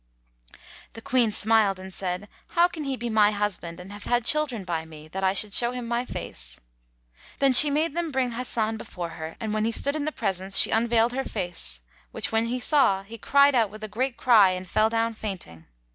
The Queen smiled and said, "How can he be my husband and have had children by me, that I should show him my face?" Then she made them bring Hasan before her and when he stood in the presence, she unveiled her face, which when he saw, he cried out with a great cry and fell down fainting.